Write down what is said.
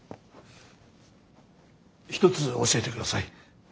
一つ教えてください。